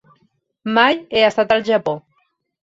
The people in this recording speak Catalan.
Mai he estat al Japó.